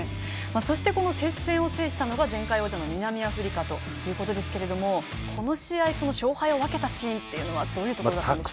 そして、接戦を制したのが前回王者の南アフリカですがこの試合、勝敗を分けたシーンはどういうところでしょうか？